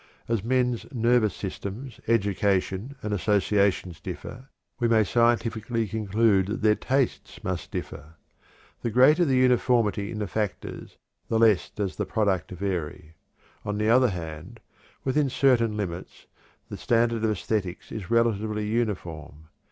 As men's nervous systems, education, and associations differ, we may scientifically conclude that their tastes must differ. The greater the uniformity in the factors the less does the product vary. On the other hand, within certain limits, the standard of æsthetics is relatively uniform.